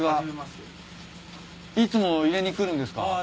いつも入れに来るんですか？